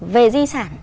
về di sản